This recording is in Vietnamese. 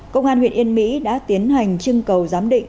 công an huyện yên mỹ đã tiến hành trưng cầu giám định